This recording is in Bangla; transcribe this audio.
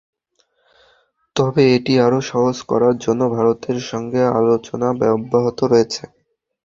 তবে এটি আরও সহজ করার জন্য ভারতের সঙ্গে আলোচনা অব্যাহত রয়েছে।